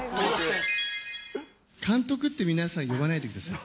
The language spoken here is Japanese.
監督って、皆さん呼ばないでください。